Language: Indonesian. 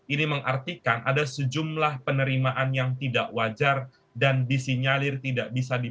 ini mengartikan ada sejumlah penerimaan yang tidak wajar dan disinyalir tidak bisa dipertanggungjawabkan oleh sejumlah pemerintahan